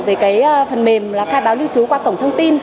về cái phần mềm là khai báo lưu trú qua cổng thông tin